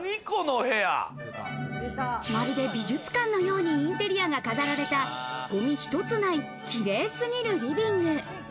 まるで美術館のようにインテリアが飾られた、ゴミひとつない、綺麗すぎるリビング。